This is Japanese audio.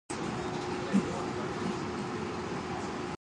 今日は良い天気です